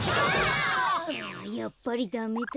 やっぱりダメだ。